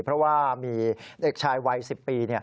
เพราะว่ามีเด็กชายวัย๑๐ปี